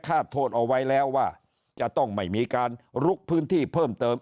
โทษเอาไว้แล้วว่าจะต้องไม่มีการลุกพื้นที่เพิ่มเติม